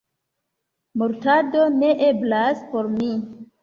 Mortado ne eblas por mi.